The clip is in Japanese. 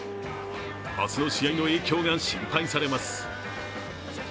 明日の試合の影響が心配されます。